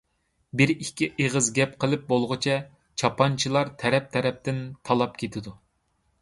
بىر-ئىككى ئېغىز گەپ قىلىپ بولغۇچە چاپانچىلار تەرەپ-تەرەپتىن تالاپ كېتىدۇ.